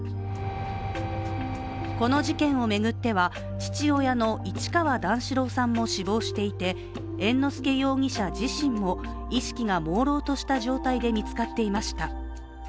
この事件を巡っては父親の市川段四郎さんも死亡していて猿之助容疑者自身も意識がもうろうとした状態で見つかっていました。